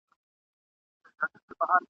يوه ورځ ابليس راټول كړل اولادونه !.